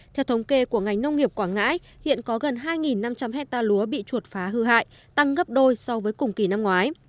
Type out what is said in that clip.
theo thống kê của ngành nông nghiệp quảng ngãi hiện có gần hai năm trăm linh hectare lúa bị chuột phá hư hại tăng gấp đôi so với cùng kỳ năm ngoái